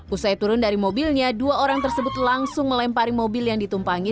usai turun dari mobilnya dua orang tersebut langsung melempari mobil yang ditumpangi